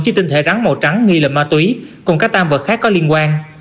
chứ tinh thể rắn màu trắng nghi lập ma túy cùng các tam vật khác có liên quan